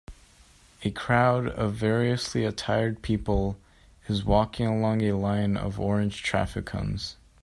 A crowd of variously attired people is walking along a line of orange traffic cones.